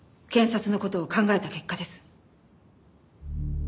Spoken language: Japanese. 検察の事を考えた結果です。